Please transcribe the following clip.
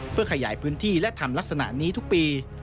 เพื่อขยายพื้นที่และทำลักษณะนี้ทุกปี